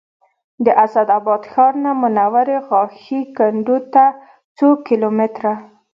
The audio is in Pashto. د اسداباد ښار نه منورې غاښي کنډو ته څو کیلو متره